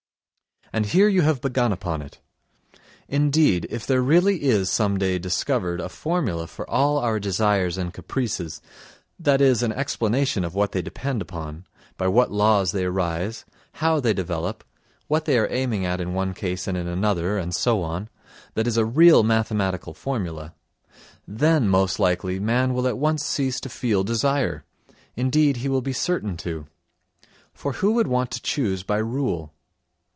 And here you have begun upon it. Indeed, if there really is some day discovered a formula for all our desires and caprices—that is, an explanation of what they depend upon, by what laws they arise, how they develop, what they are aiming at in one case and in another and so on, that is a real mathematical formula—then, most likely, man will at once cease to feel desire, indeed, he will be certain to. For who would want to choose by rule?